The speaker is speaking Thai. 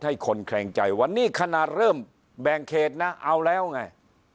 ให้คนแข็งใจวันนี้ขณะเริ่มแบ่งเขตน่ะเอาแล้วไง